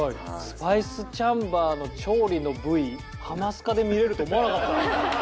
スパイスチャンバーの調理のＶ『ハマスカ』で見れると思わなかった。